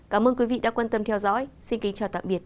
cảm ơn quý vị đã quan tâm theo dõi xin kính chào tạm biệt và hẹn gặp lại